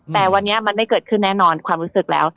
แต่วันนี้มันไม่เกิดขึ้นแน่นอนความรู้สึกแล้ว